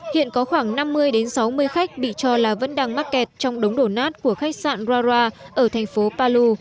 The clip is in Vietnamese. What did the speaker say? hiện có khoảng năm mươi sáu mươi khách bị cho là vẫn đang mắc kẹt trong đống đổ nát của khách sạn rara ở thành phố palu